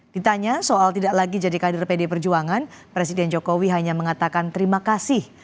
ditanya soal tidak lagi jadi kader pd perjuangan presiden jokowi hanya mengatakan terima kasih